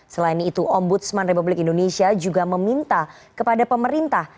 selain itu ombudsman republik indonesia juga meminta kepada pemerintah